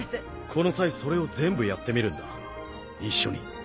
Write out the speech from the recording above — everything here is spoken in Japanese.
この際それを全部やってみるんだ一緒に。